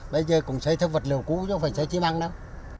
bây giờ cũng xây thức vật liều cũ chứ không phải xây chí măng đâu